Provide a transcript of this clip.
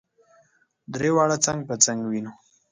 درې واړه څنګ په څنګ وینو.